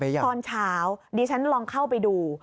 ทีนี้ตอนเช้าดิฉันไปลองเข้าไปดู